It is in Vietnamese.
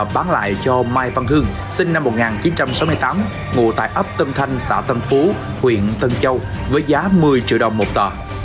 bán lại cho mai văn hưng sinh năm một nghìn chín trăm sáu mươi tám ngụ tại ấp tân thanh xã tân phú huyện tân châu với giá một mươi triệu đồng một tờ